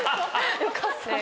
よかった。